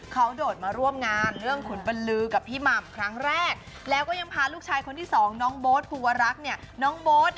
เขาโดดมาร่วมงานเรื่องขุนบรรลือกับพี่หม่ามครั้งแรกแล้วก็ยังพาลูกชายคนที่สองน้องโบ๊ท